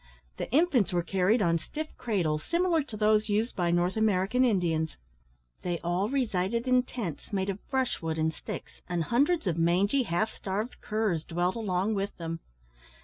The infants were carried on stiff cradles, similar to those used by North American Indians. They all resided in tents, made of brushwood and sticks, and hundreds of mangy, half starved curs dwelt along with them.